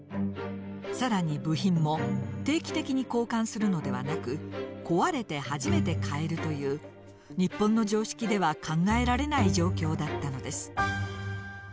更に部品も定期的に交換するのではなく壊れて初めて換えるという日本の常識では考えられない状況だったのです。